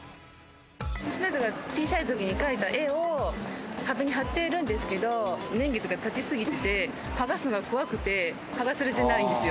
娘が小さい時に描いた絵を壁に貼っているんですけど、年月が経ちすぎて、剥がすのが怖くて、剥がせてないんですよ。